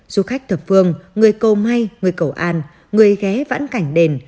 du khách thập phương người cầu may người cầu an người ghé vãn cảnh đền